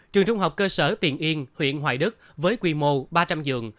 trường trung học cơ sở tiền yên huyện hoài đức với quy mô ba trăm linh giường